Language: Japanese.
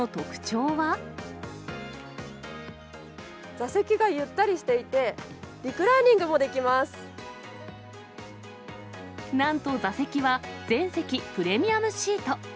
座席がゆったりしていて、なんと座席は全席プレミアムシート。